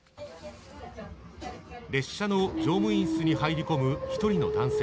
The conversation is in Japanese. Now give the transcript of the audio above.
列車の乗務員室に入り込む１人の男性。